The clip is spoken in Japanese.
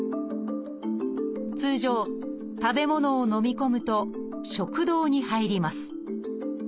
通常食べ物をのみ込むと食道に入ります